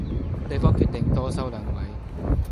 對方決定多收兩位